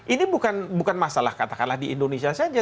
ini bukan masalah katakanlah di indonesia saja